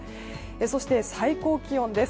そして最高気温です。